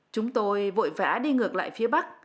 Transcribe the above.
chúng tôi vội vã đi ngược lại phía bắc